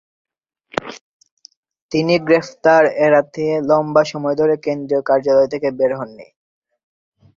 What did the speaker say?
তিনি গ্রেপ্তার এড়াতে লম্বা সময় ধরে কেন্দ্রীয় কার্যালয় থেকে বের হননি।